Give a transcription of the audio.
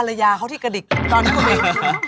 เหนิมเขาเบรคสุดท้านแล้วเหรอ